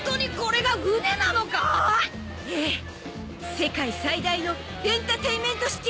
世界最大のエンターテインメントシティ！